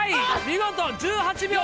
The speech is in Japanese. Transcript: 見事１８秒３８。